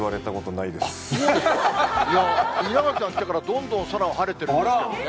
そうですか、稲垣さん来てからどんどん空、晴れてるんですけどね。